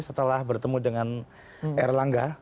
setelah bertemu dengan erlangga